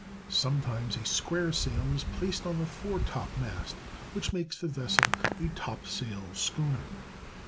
Sometimes a square sail is placed on the foretopmast, which makes the vessel a topsail schooner.